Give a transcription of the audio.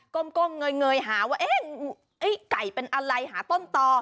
ก้มเงยหาว่าเอ๊ะไก่เป็นอะไรหาต้นต่อ